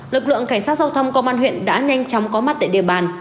lực lượng cảnh sát giao thông công an huyện đã nhanh chóng có mặt tại địa bàn